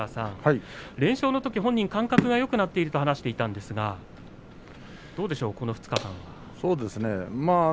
連勝のとき本人感覚がよくなっていると話していたんですがこの２日間、どうでしょう。